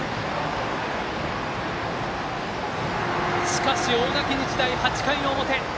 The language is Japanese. しかし大垣日大、８回の表。